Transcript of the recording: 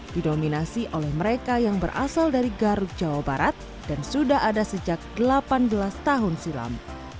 didominasi oleh mereka yang berasal dari garut jawa barat dan sudah ada sejak delapan belas tahun silam